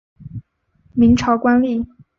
明朝官吏。